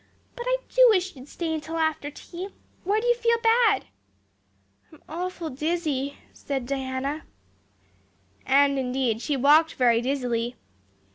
But I do wish you'd stay till after tea. Where do you feel bad?" "I'm awful dizzy," said Diana. And indeed, she walked very dizzily.